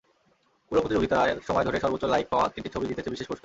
পুরো প্রতিযোগিতার সময় ধরে সর্বোচ্চ লাইক পাওয়া তিনটি ছবি জিতেছে বিশেষ পুরস্কার।